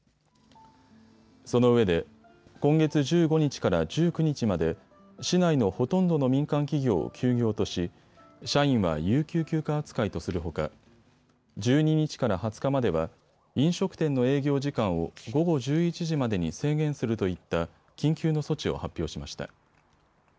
そのうえで今月１５日から１９日まで市内のほとんどの民間企業を休業とし社員は有給休暇扱いとするほか１２日から２０日までは飲食店の営業時間を午後１１時までに制限するといった緊急の措置を発表しました。